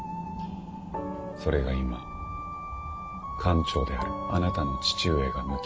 それが今艦長であるあなたの父上が向き合う現実です。